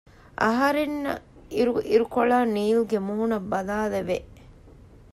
އަހަރެންނަށް އިރު އިރުކޮޅާ ނީލްގެ މޫނަށް ބަލާލެވެ